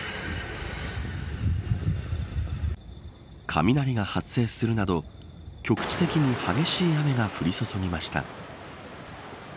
雷が発生するなど局地的に激しい雨が降り注ぎました。